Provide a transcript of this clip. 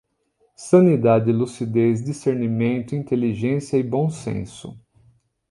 Sanidade, lucidez, discernimento, inteligência e bom senso